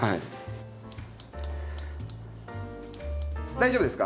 大丈夫ですか？